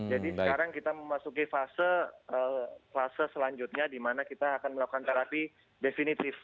jadi sekarang kita memasuki fase selanjutnya dimana kita akan melakukan terapi definitif